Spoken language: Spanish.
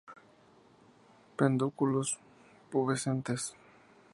Pedúnculos pubescentes.